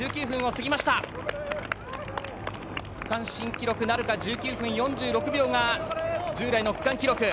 区間新記録なるか、１９分４６秒が従来の区間記録。